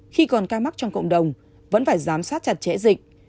khi còn ca mắc trong cộng đồng vẫn phải giám sát chặt chẽ dịch